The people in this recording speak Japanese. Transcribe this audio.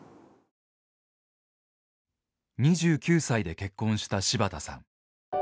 ２９歳で結婚した柴田さん。